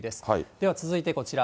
では続いてこちら。